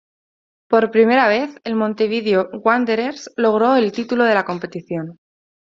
Por primera vez, el Montevideo Wanderers logró el título de la competición.